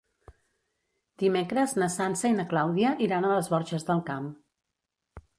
Dimecres na Sança i na Clàudia iran a les Borges del Camp.